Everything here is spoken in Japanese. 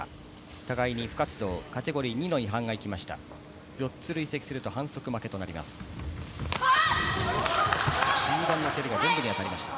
互いに不活動、カテゴリー２の違反が行きました。